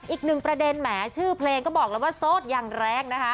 อีกหนึ่งประเด็นแหมชื่อเพลงก็บอกแล้วว่าโสดอย่างแรงนะคะ